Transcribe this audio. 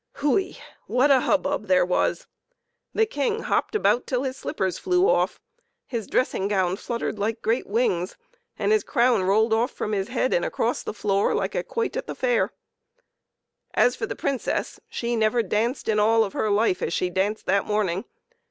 Hui ! what a hubbub there was ! The King hopped about till his slippers flew off. his 54 PEPPER AND SALT. dressing gown fluttered like great wings, and his crown rolled off from his head and across the floor, like a quoit at the fair. As for the Princess, she never danced in all of her life as she danced that morning.